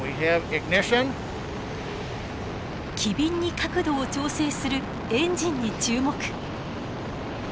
機敏に角度を調整するエンジンに注目。